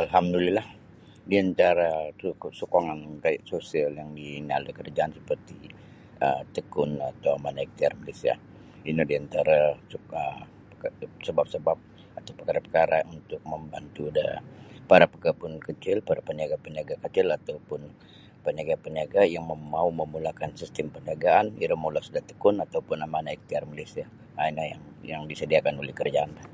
Alhamdulillah di antara sokongan sosial yang inaal da kerajaan seperti um Tekun atau Amanah Ikhtiar Malaysia ino di antara sebap-sebap atau perkara-perkara untuk membantu da para pekebun kecil para peniaga-peniaga kecil atau pun peniaga-peniaga yang mau memulakan sistem perniagaan iro molos da Tekun atau pun Amanah Ikhtiar Malaysia um ino yang disediakan kerajaanlah .